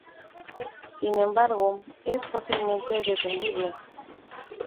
Sin embargo, es fácilmente defendible.